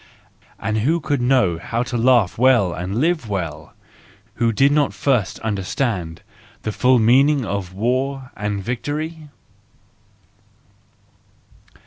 And who could know how to laugh well and live well, who did not first understand the full meaning of war and victory